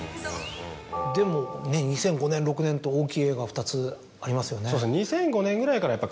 でも２００５年２００６年と大きい映画２つありますよね。